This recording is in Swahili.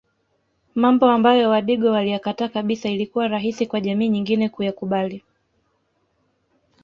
Mambo ambayo wadigo waliyakataa kabisa ilikuwa rahisi kwa jamii nyingine kuyakubali